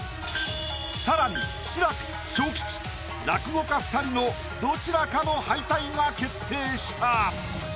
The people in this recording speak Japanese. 更に志らく昇吉落語家２人のどちらかの敗退が決定した！